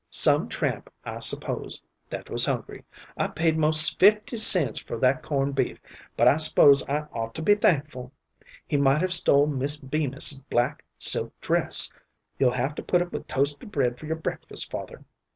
Some tramp, I s'pose, that was hungry. I paid 'most fifty cents for that corn' beef, but I s'pose I ought to be thankful. He might have stole Miss Bemis's black silk dress. You'll have to put up with toasted bread for your breakfast, father.